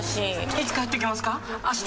いつ帰ってきますか？